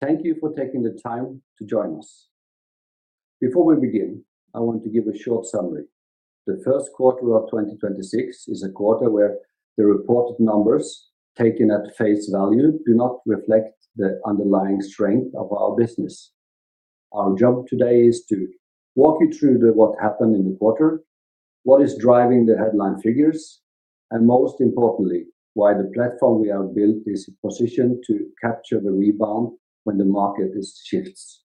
Thank you for taking the time to join us. Before we begin, I want to give a short summary. The first quarter of 2026 is a quarter where the reported numbers taken at face value do not reflect the underlying strength of our business. Our job today is to walk you through what happened in the quarter, what is driving the headline figures, and most importantly, why the platform we have built is positioned to capture the rebound when the market shifts.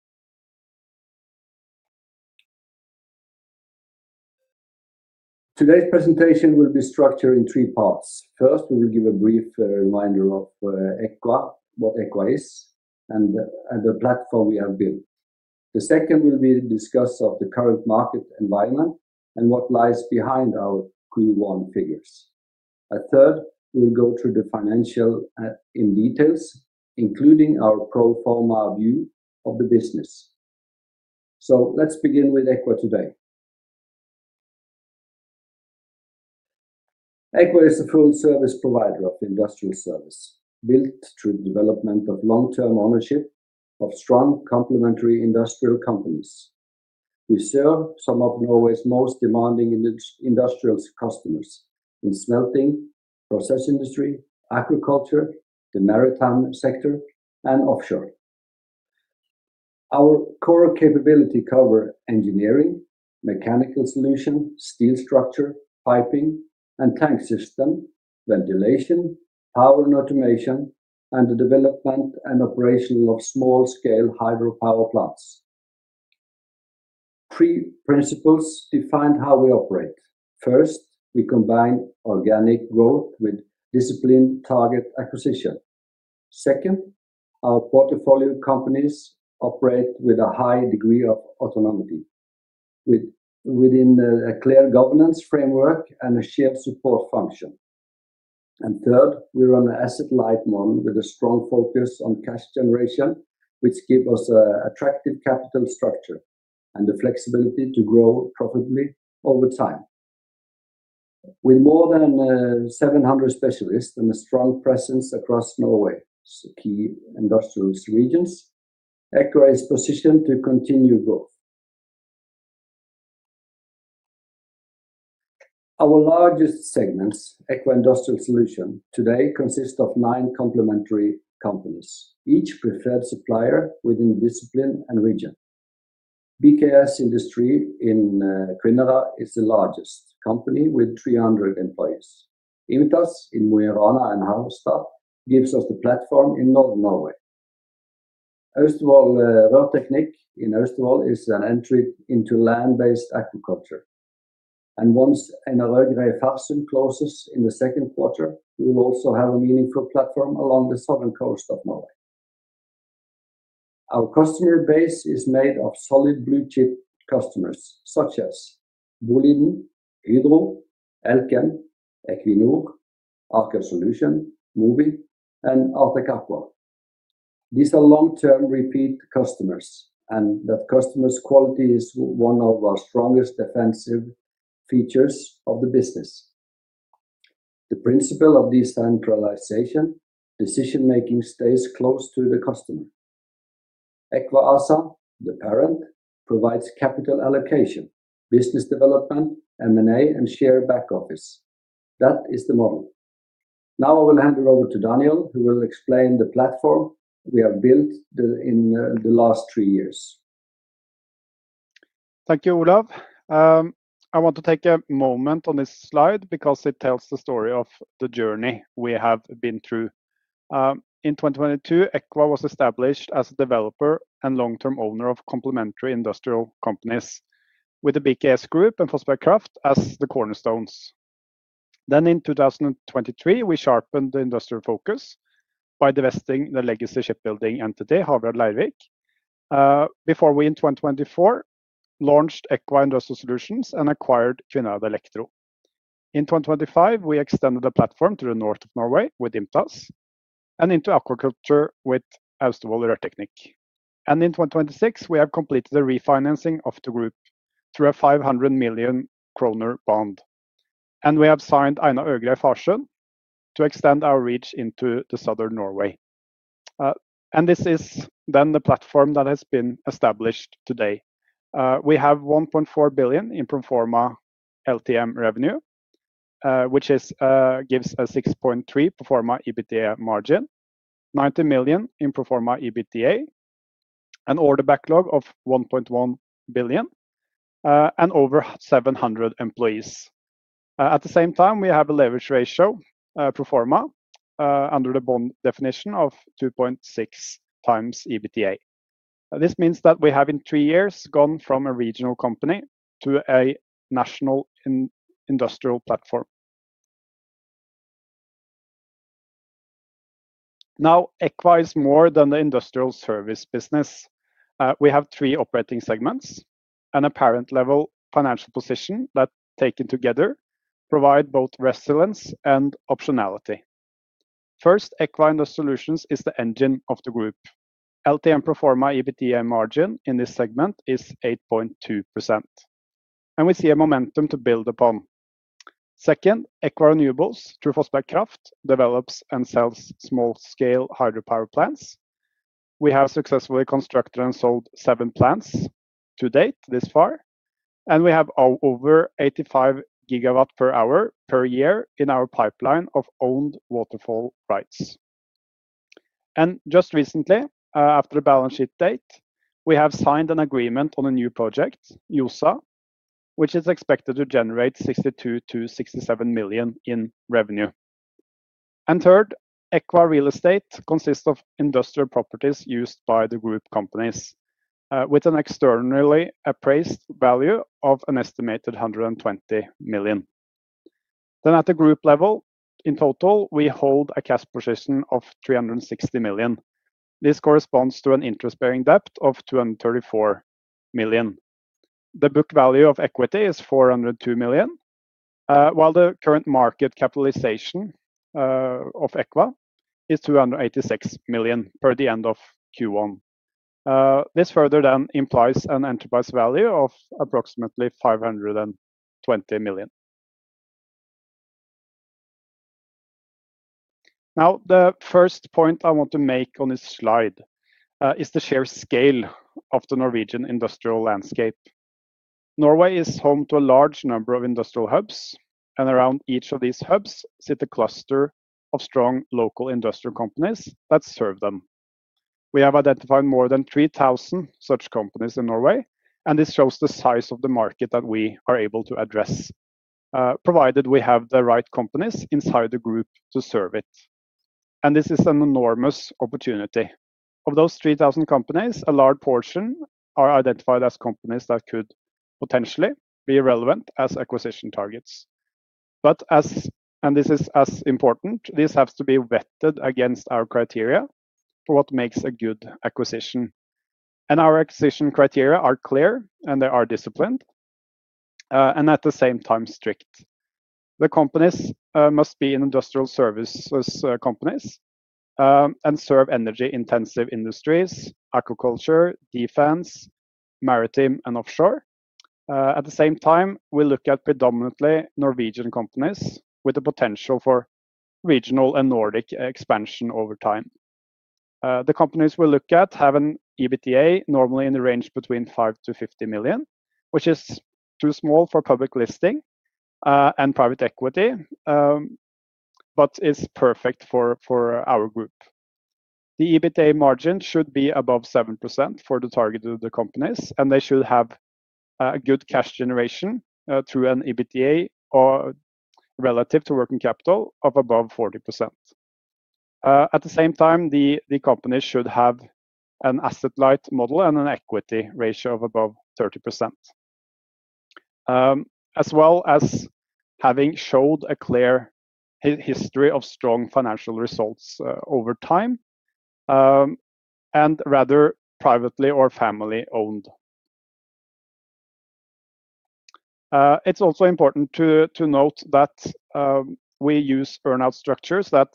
Today's presentation will be structured in three parts. First, we will give a brief reminder of Eqva, what Eqva is and the platform we have built. The second will be discussion of the current market environment and what lies behind our Q1 figures. At third, we will go through the financial in details, including our pro forma view of the business. Let's begin with Eqva today. Eqva is a full service provider of industrial service built through the development of long-term ownership of strong complementary industrial companies. We serve some of Norway's most demanding industrials customers in smelting, process industry, agriculture, the maritime sector, and offshore. Our core capability cover engineering, mechanical solution, steel structure, piping, and tank system, ventilation, power and automation, and the development and operation of small-scale hydropower plants. Three principles define how we operate. First, we combine organic growth with disciplined target acquisition. Second, our portfolio companies operate with a high degree of autonomy within a clear governance framework and a shared support function. Third, we run a asset-light model with a strong focus on cash generation, which give us a attractive capital structure and the flexibility to grow profitably over time. With more than 700 specialists and a strong presence across Norway, key industrial regions, Eqva is positioned to continue growth. Our largest segments, Eqva Industrial Solutions, today consist of nine complementary companies, each preferred supplier within discipline and region. BKS Industri in Kvinnherad is the largest company with 300 employees. IMTAS in Mo i Rana and Harstad gives us the platform in Northern Norway. Austevoll Rørteknikk in Austevoll is an entry into land-based aquaculture. Once Einar Øgrey Farsund closes in the second quarter, we will also have a meaningful platform along the southern coast of Norway. Our customer base is made of solid blue-chip customers such as Boliden, Hydro, Elkem, Equinor, Aker Solutions, Mowi, and Artec Aqua. These are long-term repeat customers, customer quality is one of our strongest defensive features of the business. The principle of decentralization, decision-making stays close to the customer. Eqva ASA, the parent, provides capital allocation, business development, M&A, and shared back office. That is the model. I will hand it over to Daniel, who will explain the platform we have built the last three years. Thank you, Olav. I want to take a moment on this slide because it tells the story of the journey we have been through. In 2022, Eqva was established as a developer and long-term owner of complementary industrial companies with the BKS Group and Fossberg Kraft as the cornerstones. In 2023, we sharpened the industrial focus by divesting the legacy shipbuilding entity, Havyard Leirvik. Before we in 2024 launched Eqva Industrial Solutions and acquired Kvinnherad Elektro. In 2025, we extended the platform to the north of Norway with IMTAS and into aquaculture with Austevoll Rørteknikk. In 2026, we have completed the refinancing of the group through a 500 million kroner bond. We have signed Einar Øgrey Farsund to extend our reach into the Southern Norway. This is then the platform that has been established today. We have 1.4 billion in pro forma LTM revenue, which gives a 6.3% pro forma EBITDA margin, 90 million in pro forma EBITDA, an order backlog of 1.1 billion, and over 700 employees. At the same time, we have a leverage ratio, pro forma, under the bond definition of 2.6x EBITDA. This means that we have in three years gone from a regional company to a national industrial platform. Eqva is more than the industrial service business. We have three operating segments and a parent-level financial position that taken together provide both resilience and optionality. First, Eqva Industrial Solutions is the engine of the group. LTM pro forma EBITDA margin in this segment is 8.2%, and we see a momentum to build upon. Second, Eqva Renewables through Fossberg Kraft develops and sells small-scale hydropower plants. We have successfully constructed and sold seven plants to date this far, and we have over 85 GWh per year in our pipeline of owned waterfall rights. Just recently, after the balance sheet date, we have signed an agreement on a new project, Gjosa, which is expected to generate 62 million-67 million in revenue. Third, Eqva Real Estate consists of industrial properties used by the group companies, with an externally appraised value of an estimated 120 million. At the group level, in total, we hold a cash position of 360 million. This corresponds to an interest-bearing debt of 234 million. The book value of equity is 402 million, while the current market capitalization of Eqva is 286 million per the end of Q1. This further implies an enterprise value of approximately 520 million. The first point I want to make on this slide is the sheer scale of the Norwegian industrial landscape. Norway is home to a large number of industrial hubs, and around each of these hubs sit a cluster of strong local industrial companies that serve them. We have identified more than 3,000 such companies in Norway, and this shows the size of the market that we are able to address, provided we have the right companies inside the group to serve it. This is an enormous opportunity. Of those 3,000 companies, a large portion are identified as companies that could potentially be relevant as acquisition targets. As, and this is as important, this has to be vetted against our criteria for what makes a good acquisition. Our acquisition criteria are clear, and they are disciplined, and at the same time strict. The companies must be in industrial services companies and serve energy-intensive industries, aquaculture, defense, maritime, and offshore. At the same time, we look at predominantly Norwegian companies with the potential for regional and Nordic expansion over time. The companies we look at have an EBITDA normally in the range between 5 million-50 million, which is too small for public listing and private equity, but is perfect for our group. The EBITDA margin should be above 7% for the target of the companies, and they should have a good cash generation, through an EBITDA or relative to working capital of above 40%. At the same time, the company should have an asset-light model and an equity ratio of above 30%, as well as having showed a clear history of strong financial results over time, and rather privately or family-owned. It's also important to note that we use earn-out structures that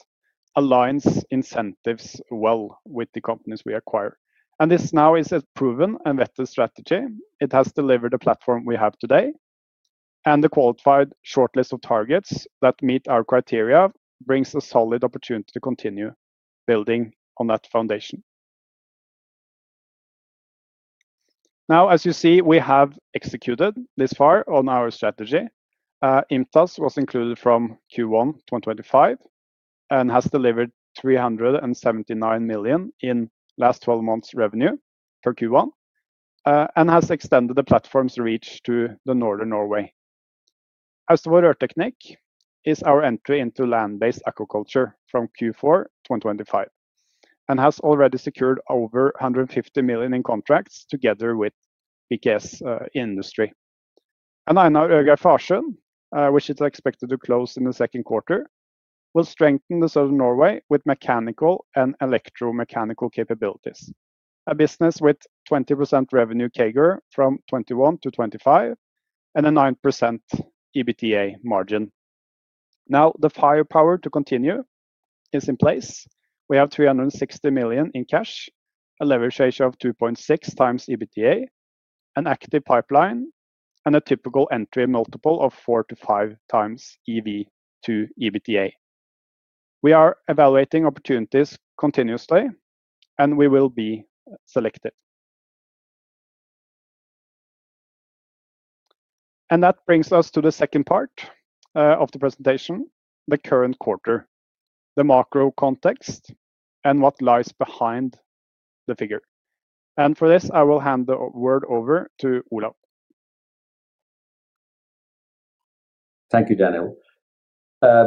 aligns incentives well with the companies we acquire. This now is a proven and vetted strategy. It has delivered a platform we have today, the qualified shortlist of targets that meet our criteria brings a solid opportunity to continue building on that foundation. As you see, we have executed this far on our strategy. IMTAS was included from Q1 2025 and has delivered 379 million in last 12 months revenue for Q1, and has extended the platform's reach to Northern Norway. Austevoll Rørteknikk is our entry into land-based aquaculture from Q4 2025 and has already secured over 150 million in contracts together with BKS Industri. Einar Øgrey Farsund, which is expected to close in the second quarter, will strengthen Southern Norway with mechanical and electromechanical capabilities, a business with 20% revenue CAGR from 2021 to 2025 and a 9% EBITDA margin. Now, the firepower to continue is in place. We have 360 million in cash, a leverage ratio of 2.6x EBITDA, an active pipeline, and a typical entry multiple of 4x to 5x EV to EBITDA. We are evaluating opportunities continuously, and we will be selective. That brings us to the second part of the presentation, the current quarter, the macro context, and what lies behind the figure. For this, I will hand the word over to Olav. Thank you, Daniel.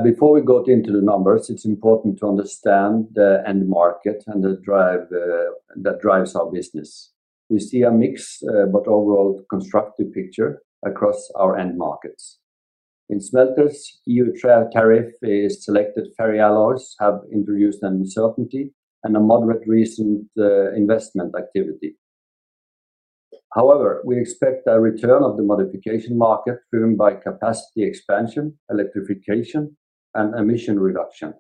Before we go into the numbers, it's important to understand the end market and the drive that drives our business. We see a mix, but overall constructive picture across our end markets. In smelters, E.U. tariff is selected, Ferroalloys have introduced an uncertainty and a moderate recent investment activity. However, we expect a return of the modification market driven by capacity expansion, electrification, and emission reduction.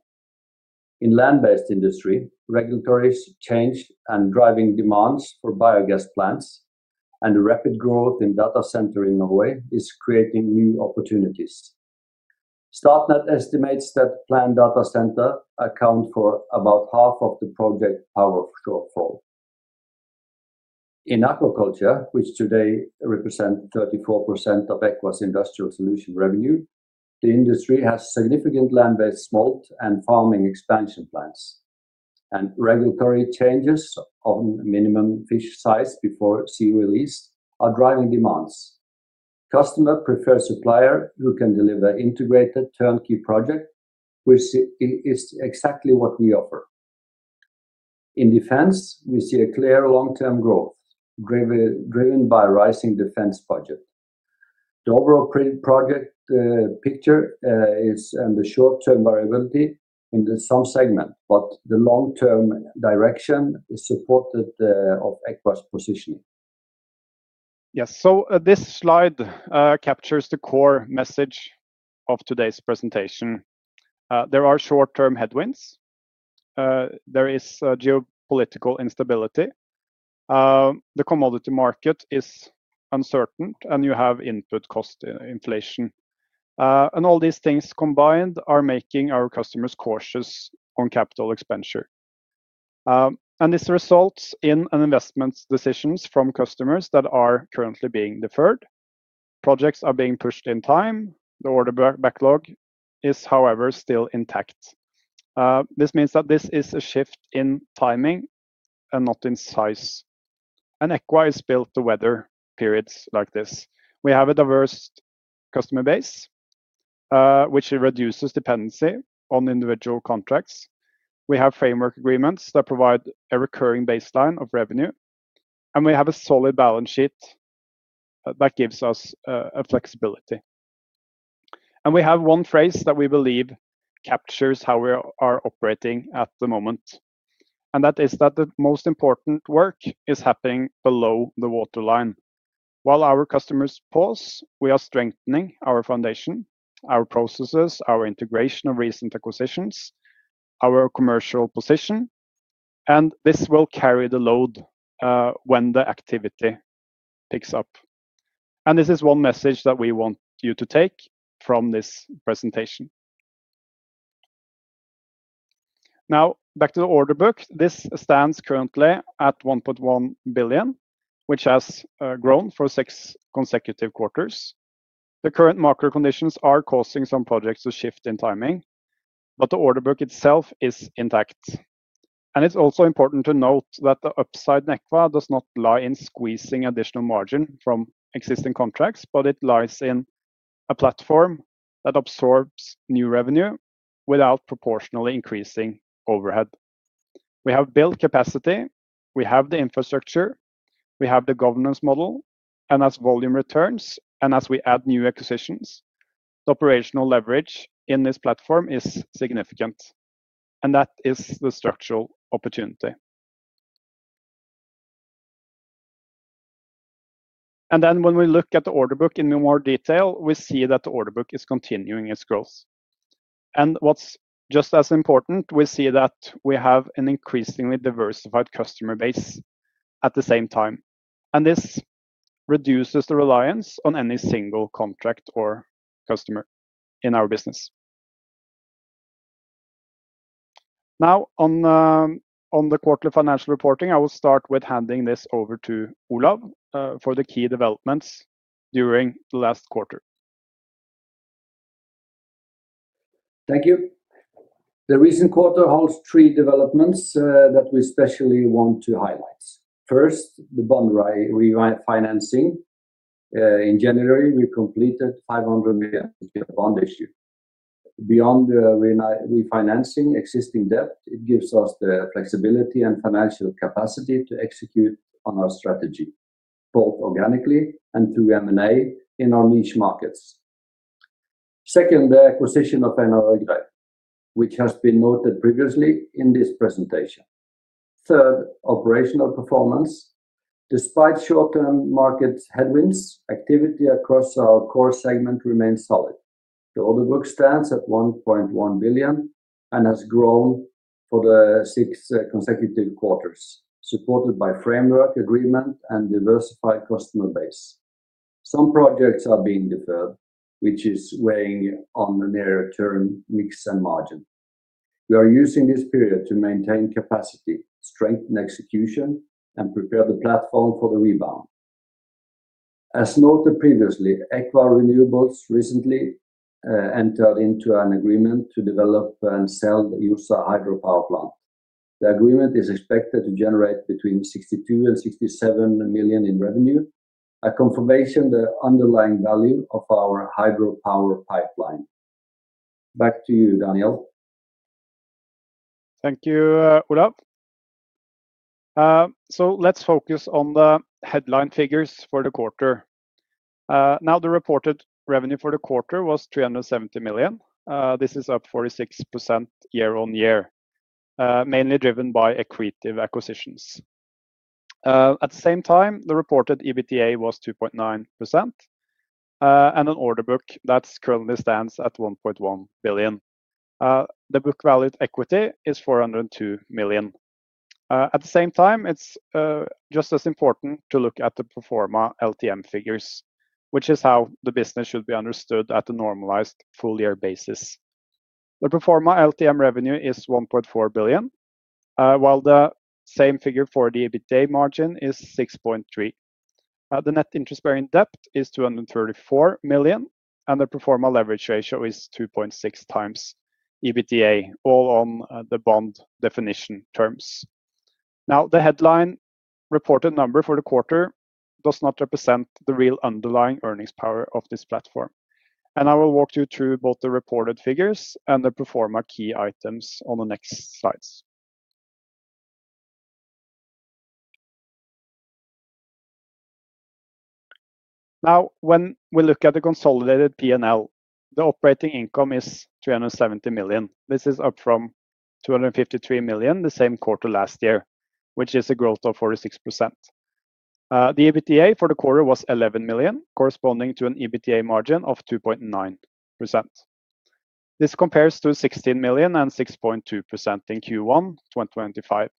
In land-based industry, regulatory change and driving demands for biogas plants and rapid growth in data center in Norway is creating new opportunities. Statnett estimates that planned data center account for about half of the project power shortfall. In aquaculture, which today represent 34% of Eqva's Industrial Solutions revenue, the industry has significant land-based smolt and farming expansion plans. Regulatory changes on minimum fish size before sea release are driving demands. Customer prefer supplier who can deliver integrated turnkey project, which is exactly what we offer. In defense, we see a clear long-term growth driven by rising defense budget. The overall project picture is under short-term variability in some segment, but the long-term direction is supported of Eqva's positioning. Yes. This slide captures the core message of today's presentation. There are short-term headwinds. There is geopolitical instability. The commodity market is uncertain, and you have input cost inflation. All these things combined are making our customers cautious on capital expenditure. This results in an investment decisions from customers that are currently being deferred. Projects are being pushed in time. The order backlog is, however, still intact. This means that this is a shift in timing and not in size. Eqva is built to weather periods like this. We have a diverse customer base, which reduces dependency on individual contracts. We have framework agreements that provide a recurring baseline of revenue, and we have a solid balance sheet that gives us a flexibility. We have one phrase that we believe captures how we are operating at the moment, and that is that the most important work is happening below the waterline. While our customers pause, we are strengthening our foundation, our processes, our integration of recent acquisitions, our commercial position, and this will carry the load when the activity picks up. This is one message that we want you to take from this presentation. Now, back to the order book. This stands currently at 1.1 billion, which has grown for six consecutive quarters. The current market conditions are causing some projects to shift in timing, but the order book itself is intact. It's also important to note that the upside in Eqva does not lie in squeezing additional margin from existing contracts, but it lies in a platform that absorbs new revenue without proportionally increasing overhead. We have built capacity. We have the infrastructure. We have the governance model. As volume returns and as we add new acquisitions, the operational leverage in this platform is significant, and that is the structural opportunity. When we look at the order book in more detail, we see that the order book is continuing its growth. What's just as important, we see that we have an increasingly diversified customer base at the same time. This reduces the reliance on any single contract or customer in our business. Now, on the quarterly financial reporting, I will start with handing this over to Olav for the key developments during the last quarter. Thank you. The recent quarter holds three developments that we especially want to highlight. First, the bond refinancing. In January, we completed 500 million bond issue. Beyond the refinancing existing debt, it gives us the flexibility and financial capacity to execute on our strategy, both organically and through M&A in our niche markets. Second, the acquisition of Einar and [IMTAS], which has been noted previously in this presentation. Third, operational performance. Despite short-term market headwinds, activity across our core segment remains solid. The order book stands at 1.1 billion and has grown for the six consecutive quarters, supported by framework agreement and diversified customer base. Some projects are being deferred, which is weighing on the nearer term mix and margin. We are using this period to maintain capacity, strengthen execution, and prepare the platform for the rebound. As noted previously, Eqva Renewables recently entered into an agreement to develop and sell the Gjosa hydropower plant. The agreement is expected to generate between 62 million and 67 million in revenue, a confirmation the underlying value of our hydropower pipeline. Back to you, Daniel. Thank you, Olav. Let's focus on the headline figures for the quarter. Now the reported revenue for the quarter was 370 million. This is up 46% year on year, mainly driven by acquisitive acquisitions. At the same time, the reported EBITDA was 2.9%, and an order book that currently stands at 1.1 billion. The book valued equity is 402 million. At the same time, it's just as important to look at the pro forma LTM figures, which is how the business should be understood at the normalized full year basis. The pro forma LTM revenue is 1.4 billion, while the same figure for the EBITDA margin is 6.3%. The net interest-bearing debt is 234 million, and the pro forma leverage ratio is 2.6x EBITDA, all on the bond definition terms. The headline reported number for the quarter does not represent the real underlying earnings power of this platform. I will walk you through both the reported figures and the pro forma key items on the next slides. When we look at the consolidated P&L, the operating income is 370 million. This is up from 253 million the same quarter last year, which is a growth of 46%. The EBITDA for the quarter was 11 million, corresponding to an EBITDA margin of 2.9%. This compares to 16 million and 6.2% in Q1 2025.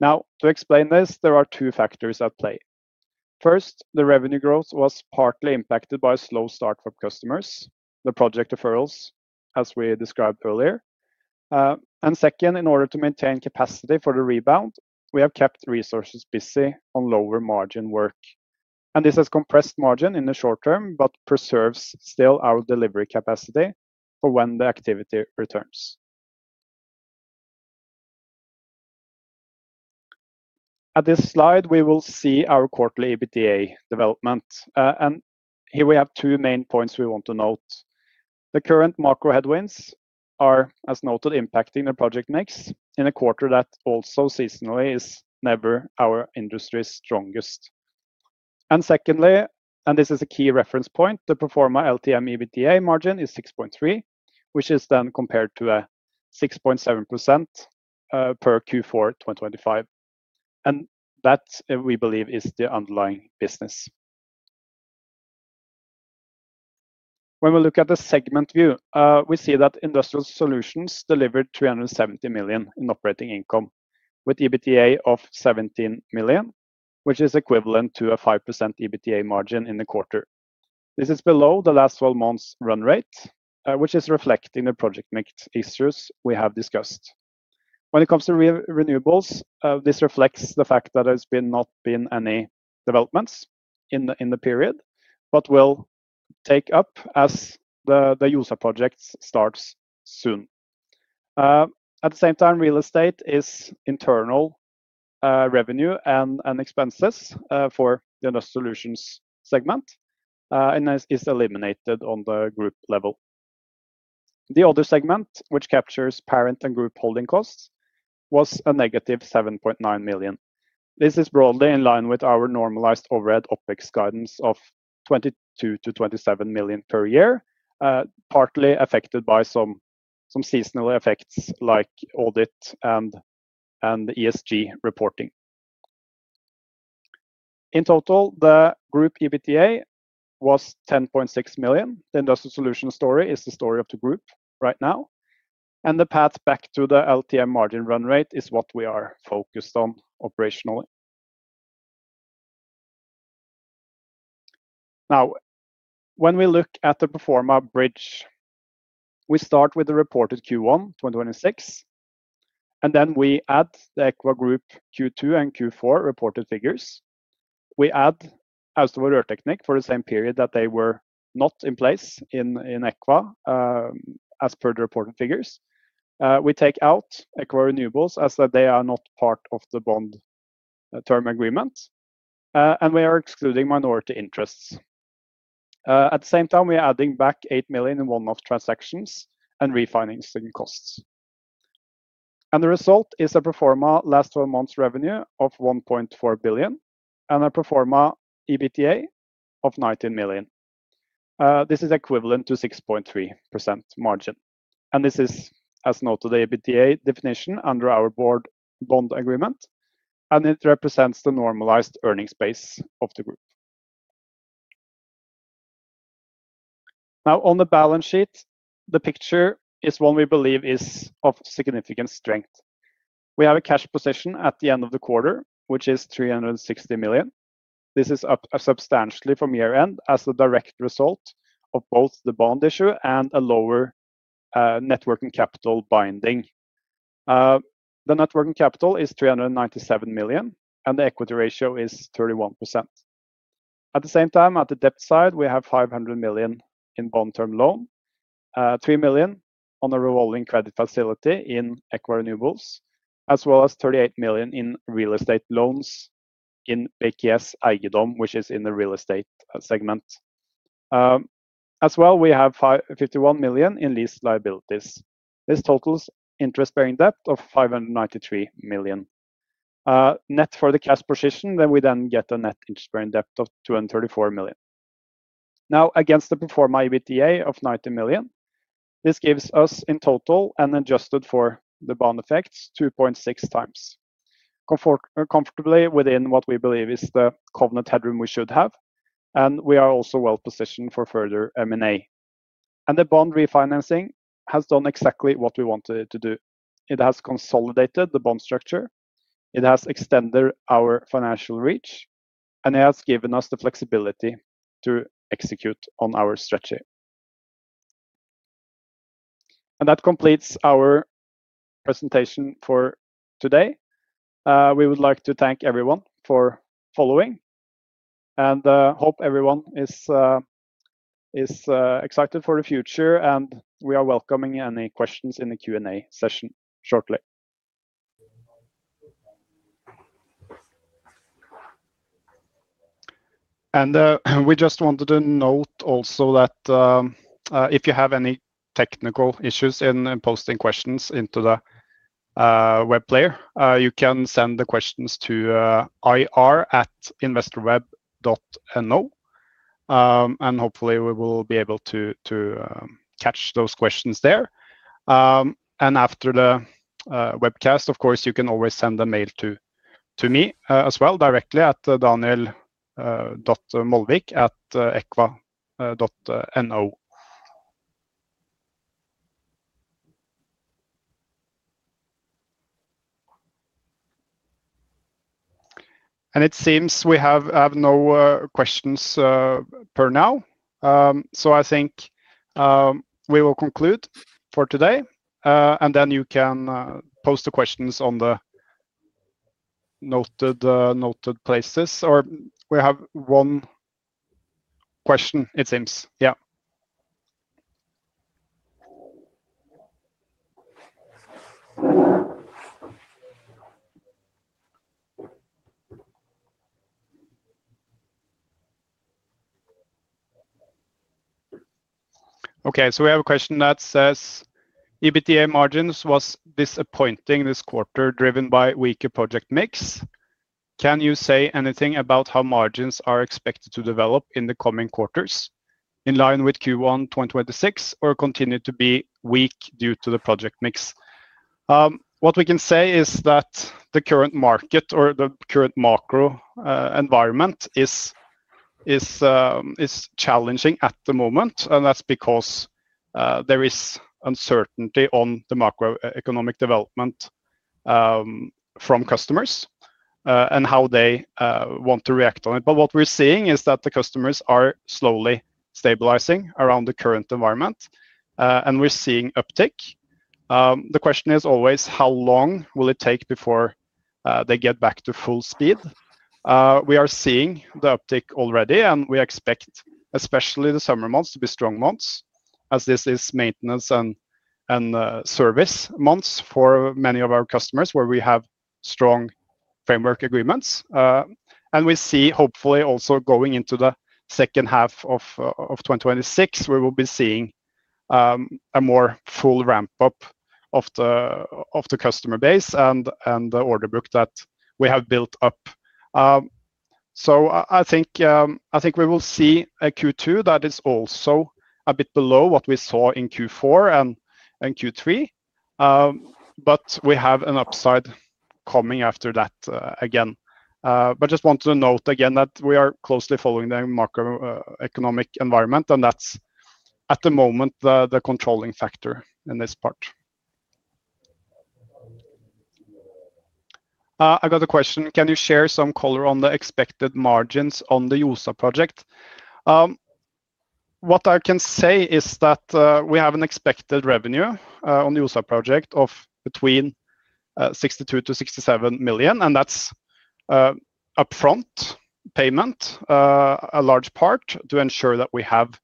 To explain this, there are two factors at play. First, the revenue growth was partly impacted by a slow start for customers, the project deferrals, as we described earlier. Second, in order to maintain capacity for the rebound, we have kept resources busy on lower margin work. This has compressed margin in the short term, but preserves still our delivery capacity for when the activity returns. At this slide, we will see our quarterly EBITDA development. Here we have two main points we want to note. The current macro headwinds are, as noted, impacting the project mix in a quarter that also seasonally is never our industry's strongest. Secondly, and this is a key reference point, the pro forma LTM EBITDA margin is 6.3%, which is then compared to a 6.7% per Q4 2025. That we believe is the underlying business. When we look at the segment view, we see that Industrial Solutions delivered 370 million in operating income with EBITDA of 17 million, which is equivalent to a 5% EBITDA margin in the quarter. This is below the LTM run rate, which is reflecting the project mix issues we have discussed. When it comes to Renewables, this reflects the fact that there's been not been any developments in the period, but will take up as the Gjosa project starts soon. At the same time, Real Estate is internal revenue and expenses for the Industrial Solutions segment, and is eliminated on the group level. The other segment, which captures parent and group holding costs, was a negative 7.9 million. This is broadly in line with our normalized overhead OpEx guidance of 22 million-27 million per year, partly affected by some seasonal effects like audit and ESG reporting. In total, the group EBITDA was 10.6 million. The Industrial Solution story is the story of the group right now, and the path back to the LTM margin run rate is what we are focused on operationally. Now, when we look at the pro forma bridge, we start with the reported Q1 2026, and then we add the Eqva Group Q2 and Q4 reported figures. We add Austevoll Rørteknikk for the same period that they were not in place in Eqva, as per the reported figures. We take out Eqva Renewables as that they are not part of the bond term agreement, and we are excluding minority interests. At the same time, we are adding back 8 million in one-off transactions and refinancing costs. The result is a pro forma last twelve months revenue of 1.4 billion and a pro forma EBITDA of 19 million. This is equivalent to 6.3% margin. This is as an EBITDA definition under our bond agreement, and it represents the normalized earnings base of the group. Now, on the balance sheet, the picture is one we believe is of significant strength. We have a cash position at the end of the quarter, which is 360 million. This is up substantially from year-end as a direct result of both the bond issue and a lower net working capital binding. The net working capital is 397 million, and the equity ratio is 31%. At the same time, at the debt side, we have 500 million in bond term loan, 3 million on the revolving credit facility in Eqva Renewables, as well as 38 million in real estate loans in Eqva's Eiendom, which is in the real estate segment. As well, we have 51 million in lease liabilities. This totals interest-bearing debt of 593 million. Net for the cash position, then we then get a net interest-bearing debt of 234 million. Now, against the pro forma EBITDA of 90 million, this gives us in total and adjusted for the bond effects 2.6x. Comfortably within what we believe is the covenant headroom we should have, and we are also well-positioned for further M&A. The bond refinancing has done exactly what we wanted it to do. It has consolidated the bond structure, it has extended our financial reach, and it has given us the flexibility to execute on our strategy. That completes our presentation for today. We would like to thank everyone for following and hope everyone is excited for the future, and we are welcoming any questions in the Q&A session shortly. We just wanted to note also that if you have any technical issues in posting questions into the web player, you can send the questions to ir@investorweb.no, and hopefully we will be able to catch those questions there. After the webcast, of course, you can always send an email to me as well directly at daniel.molvik@eqva.no. It seems we have no questions per now. I think we will conclude for today. You can post the questions on the noted places or we have one question, it seems. Okay. We have a question that says, "EBITDA margins was disappointing this quarter, driven by weaker project mix. Can you say anything about how margins are expected to develop in the coming quarters? In line with Q1 2026 or continue to be weak due to the project mix?" What we can say is that the current market or the current macro environment is challenging at the moment. There is uncertainty on the macroeconomic development from customers and how they want to react on it. What we're seeing is that the customers are slowly stabilizing around the current environment, and we're seeing uptick. The question is always how long will it take before they get back to full speed. We are seeing the uptick already, and we expect, especially the summer months, to be strong months, as this is maintenance and service months for many of our customers, where we have strong framework agreements. We see, hopefully also going into the second half of 2026, where we'll be seeing a more full ramp-up of the customer base and the order book that we have built up. I think, I think we will see a Q2 that is also a bit below what we saw in Q4 and Q3, but we have an upside coming after that again. Just want to note again that we are closely following the macroeconomic environment, and that's, at the moment, the controlling factor in this part. I got a question, "Can you share some color on the expected margins on the Gjosa project?" What I can say is that we have an expected revenue on the Gjosa project of between 62 million-67 million, and that's upfront payment, a large part to ensure that we have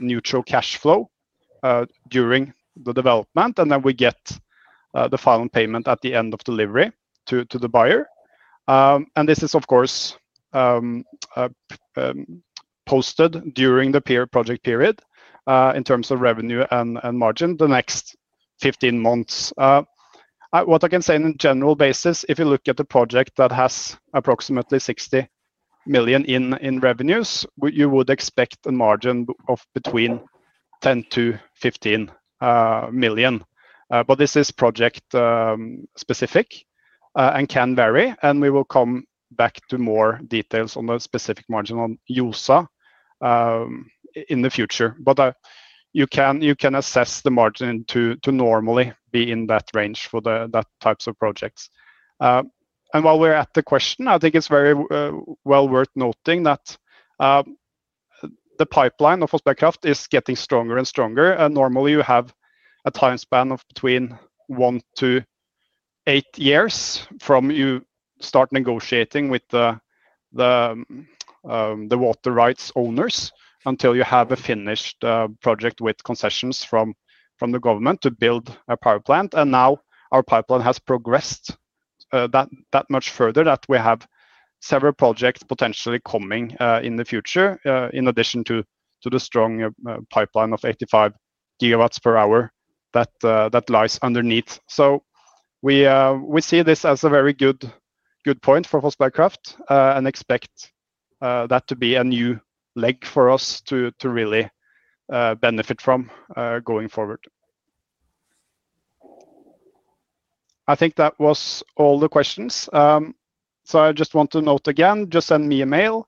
neutral cash flow during the development, and then we get the final payment at the end of delivery to the buyer. This is, of course, posted during the per project period, in terms of revenue and margin the next 15 months. What I can say on a general basis, if you look at the project that has approximately 60 million in revenues, you would expect a margin of between 10 million-15 million. But this is project specific and can vary, and we will come back to more details on the specific margin on Gjosa in the future. You can assess the margin to normally be in that range for that types of projects. While we're at the question, I think it's very well worth noting that the pipeline of Fossberg Kraft is getting stronger and stronger. Normally you have a time span of between one to eight years from you start negotiating with the water rights owners until you have a finished project with concessions from the government to build a power plant. Now our pipeline has progressed that much further that we have several projects potentially coming in the future in addition to the strong pipeline of 85 GWh that lies underneath. We see this as a very good point for Fossberg Kraft and expect that to be a new leg for us to really benefit from going forward. I think that was all the questions. I just want to note again, just send me a mail.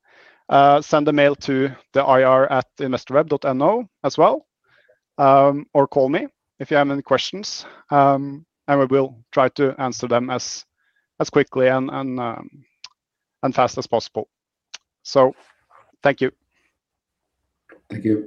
Send a mail to the ir@investorweb.no as well, or call me if you have any questions. We will try to answer them as quickly and fast as possible. Thank you. Thank you.